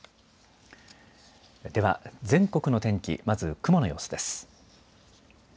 では全国の天気、まず雲の様子です。